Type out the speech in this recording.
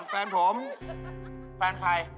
แฟนผมแฟนใคร